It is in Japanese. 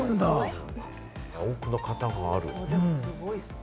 多くの方がある。